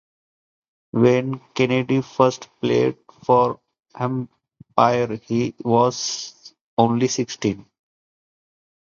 When Kennedy first played for Hampshire he was only sixteen.